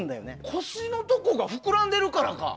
腰のところが膨らんでるからか。